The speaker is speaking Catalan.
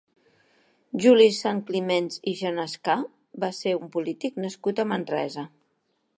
Juli Sanclimens i Genescà va ser un polític nascut a Manresa.